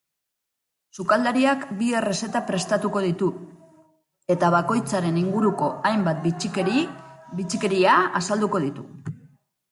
Sukaldariak bi errezeta prestatuko ditu eta bakoitzaren inguruko hainbat bitxikeria azalduko ditu.